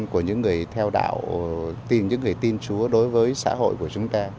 của những người theo đạo tìm những người tin chúa đối với xã hội của chúng ta